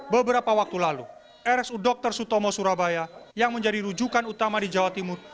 beberapa waktu lalu rsu dr sutomo surabaya yang menjadi rujukan utama di jawa timur